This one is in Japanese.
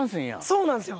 そうなんですよ